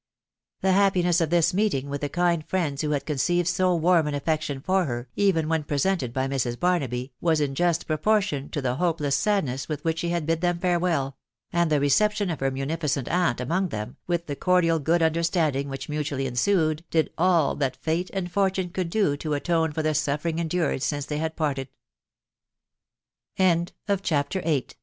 The happiness of this meeting with the kind friends who had conceived so warm an affection for her, even when presented by Mrs. Barnaby, was in just proportion to the hopeless sad* ness with which she had bid them farewell ; and the reception of her munificent aunt among them, with the cordial good understanding which mutually ensued, did all that fate and fortune could do to atone for the suffering endured since they had parted* 410 THE WIDOW BARNABY.